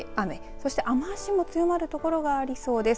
そして、雨足も強まるところがありそうです。